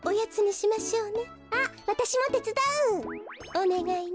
おねがいね。